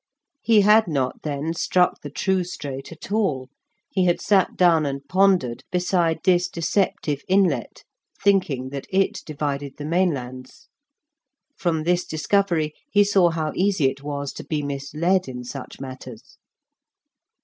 He had not then struck the true strait at all; he had sat down and pondered beside this deceptive inlet thinking that it divided the mainlands. From this discovery he saw how easy it was to be misled in such matters.